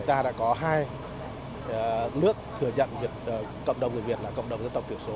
chúng ta đã có hai nước thừa nhận cộng đồng người việt là cộng đồng dân tộc tiểu số